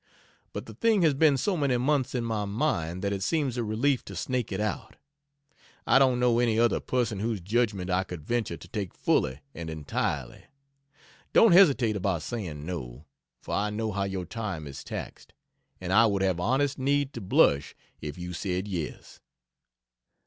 But the thing has been so many months in my mind that it seems a relief to snake it out. I don't know any other person whose judgment I could venture to take fully and entirely. Don't hesitate about saying no, for I know how your time is taxed, and I would have honest need to blush if you said yes.